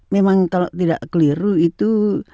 memang kalau tidak keliru itu